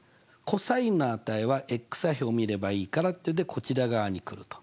ｃｏｓの値は座標を見ればいいからっていうんでこちら側に来ると。